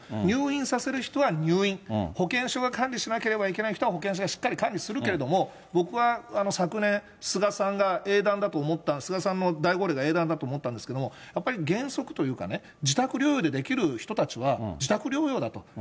入院させる人は入院、保健所が管理しなければいけない人は、保健所がしっかり管理するけれども、僕は昨年、菅さんが英断だと思った、菅さんの英断だと思ったんですが、やっぱり原則というかね、自宅療養でできる人たちは自宅療養だと。